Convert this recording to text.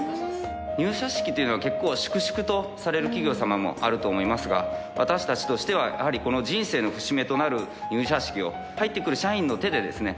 入社式というのは結構粛々とされる企業様もあると思いますが私たちとしてはやはりこの人生の節目となる入社式を入ってくる社員の手でですね